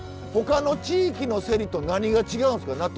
他の地域のせりと何が違うんすか？